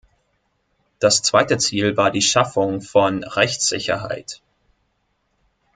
Das zweite Ziel war die Schaffung von Rechtssicherheit.